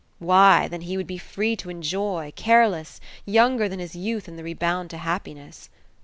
Why, then he would be free to enjoy, careless, younger than his youth in the rebound to happiness!